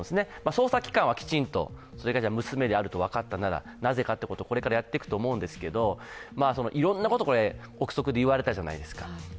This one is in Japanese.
捜査機関はきちんと、娘であるということが分かったらなぜかということをこれからやっていくと思うんですが、いろいろなこと、憶測で言われたじゃないですか。